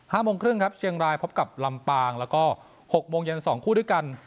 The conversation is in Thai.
โมงครึ่งครับเชียงรายพบกับลำปางแล้วก็หกโมงเย็นสองคู่ด้วยกัน